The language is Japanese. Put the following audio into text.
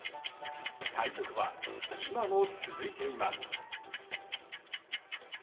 対局は今も続いています。